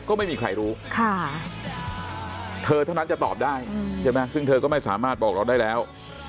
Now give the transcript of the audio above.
ก็ไม่มีใครรู้ค่ะเธอเท่านั้นจะตอบได้ใช่ไหมซึ่งเธอก็ไม่สามารถบอกเราได้แล้ว